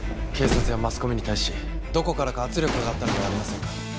警察やマスコミに対しどこからか圧力があったのではありませんか？